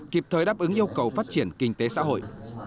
kịp thời đáp ứng yêu cầu phát triển kinh tế xã hội